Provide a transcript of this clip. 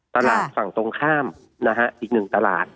ตลาดฝั่งตรงข้ามนะฮะอีกหนึ่งตลาด